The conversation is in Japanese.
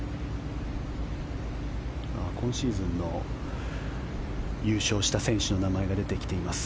今シーズンの優勝した選手の名前が出てきています。